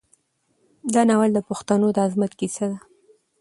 دا ناول د پښتنو د عظمت کیسه ده.